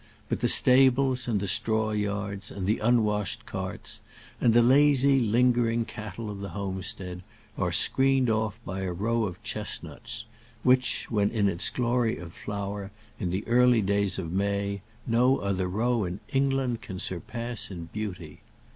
But the stables, and the straw yards, and the unwashed carts, and the lazy lingering cattle of the homestead, are screened off by a row of chestnuts, which, when in its glory of flower, in the early days of May, no other row in England can surpass in beauty.